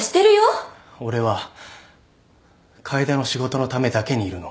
俺は楓の仕事のためだけにいるの？